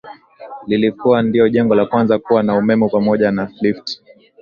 Lilikuwa ndio jengo la kwanza kuwa na umeme pamoja na lifti